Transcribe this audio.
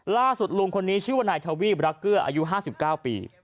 ลุงคนนี้ชื่อว่านายทวีปรักเกลืออายุ๕๙ปี